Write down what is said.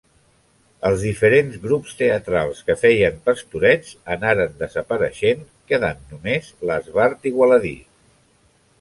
Els diferents grups teatrals, que feien Pastorets, anaren desapareixent, quedant només l'Esbart Igualadí.